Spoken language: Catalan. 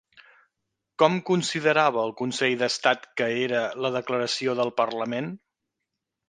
Com considerava el Consell d'Estat que era la declaració del parlament?